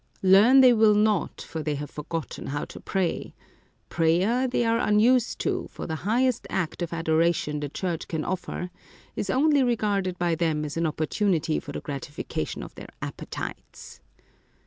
Learn they will not, for they have forgotten how to pray : prayer they are unused to, for the highest act of adoration the Church can offer is only regarded by them as an opportunity for the gratification of their appetites.